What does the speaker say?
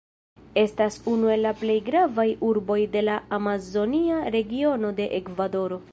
Estas unu el la plej gravaj urboj de la Amazonia Regiono de Ekvadoro.